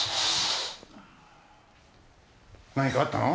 何かあったの？